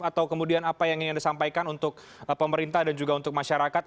atau kemudian apa yang ingin anda sampaikan untuk pemerintah dan juga untuk masyarakat